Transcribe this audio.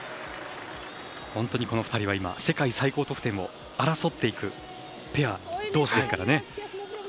本当にこの２人は世界最高得点を争っていくペアどうしですからね。